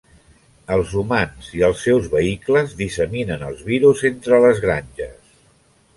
Els humans i els seus vehicles disseminen els virus entre les granges.